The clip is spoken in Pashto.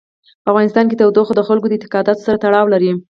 په افغانستان کې تودوخه د خلکو د اعتقاداتو سره تړاو لري.